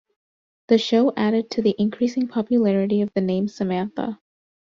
The show added to the increasing popularity of the name Samantha.